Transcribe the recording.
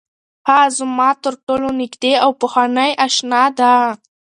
هغه زما تر ټولو نږدې او پخوانۍ اشنا ده.